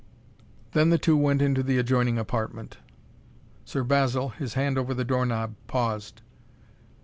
Then the two went into the adjoining apartment. Sir Basil, his hand over the doorknob, paused.